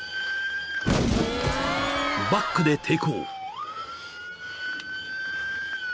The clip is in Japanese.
［バックで抵抗］